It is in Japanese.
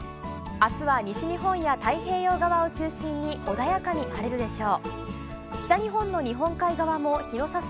あすは西日本や太平洋側を中心に穏やかに晴れるでしょう。